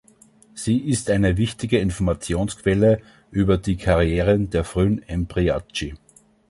Sie ist eine wichtige Informationsquelle über die Karrieren der frühen Embriachi.